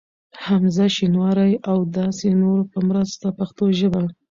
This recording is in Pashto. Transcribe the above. حمزه شینواري ا و داسی نورو په مرسته پښتو ژبه